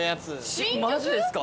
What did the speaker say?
マジですか？